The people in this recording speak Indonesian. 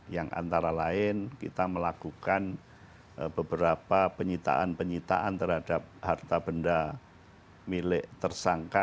yang antara lain kita melakukan beberapa penyitaan penyitaan terhadap harta benda milik tersangka